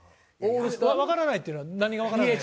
わからないというのは何がわからない？